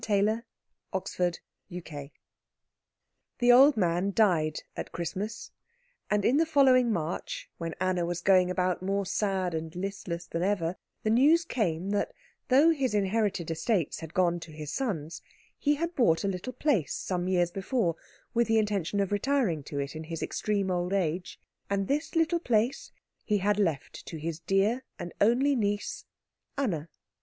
CHAPTER III The old man died at Christmas, and in the following March, when Anna was going about more sad and listless than ever, the news came that, though his inherited estates had gone to his sons, he had bought a little place some years before with the intention of retiring to it in his extreme old age, and this little place he had left to his dear and only niece Anna.